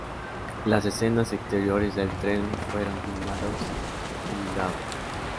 Las escenas exteriores del tren fueron filmados en Idaho.